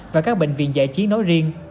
và các bệnh viện giải trí nói riêng